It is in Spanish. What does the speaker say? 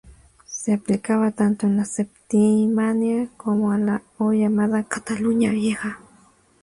Se aplicaba tanto a la Septimania como a la hoy llamada Cataluña Vieja.